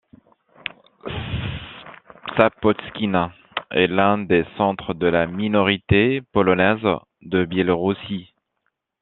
Sapotskine est l'un des centres de la minorité polonaise de Biélorussie.